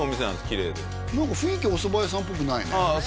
きれいで何か雰囲気おそば屋さんっぽくないねああ